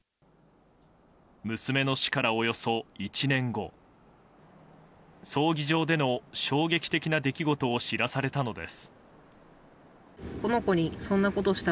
娘の死から、およそ１年後葬儀場での衝撃的な出来事を知らされたのです。